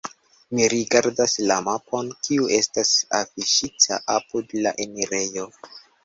Mi rigardas la mapon, kiu estas afiŝita apud la enirejo.